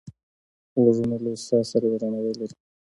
غوږونه له استاد سره درناوی لري